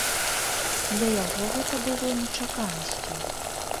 Для яго гэта было нечаканасцю.